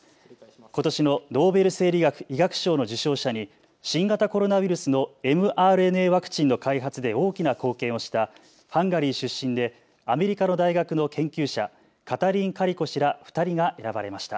ことしのノーベル生理学・医学賞の受賞者に新型コロナウイルスのｍＲＮＡワクチンの開発で大きな貢献をしたハンガリー出身でアメリカの大学の研究者、カタリン・カリコ氏ら２人が選ばれました。